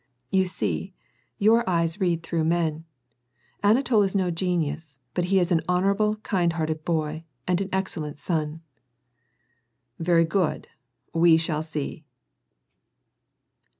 " You see, your eyes read through men. Anatol is no genius, but he is an honorable, kind hearted boy, and an excellent son." "Very good, we shall see."